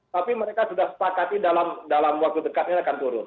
tapi mereka sudah sepakati dalam waktu dekatnya akan turun